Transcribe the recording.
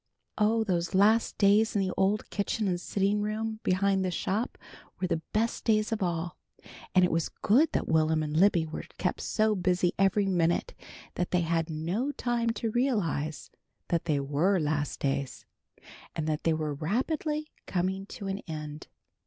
Oh, those last days in the old kitchen and sitting room behind the shop were the best days of all, and it was good that Will'm and Libby were kept so busy every minute that they had no time to realize that they were last days, and that they were rapidly coming to an end.